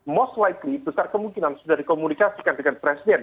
most likely besar kemungkinan sudah dikomunikasikan dengan presiden